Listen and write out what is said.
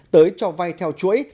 tới cho vay theo chuỗi